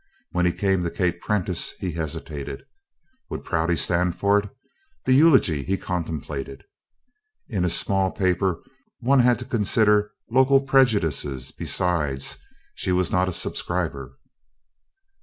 When he came to Kate Prentice, he hesitated. Would Prouty stand for it the eulogy he contemplated? In a small paper one had to consider local prejudices besides, she was not a subscriber.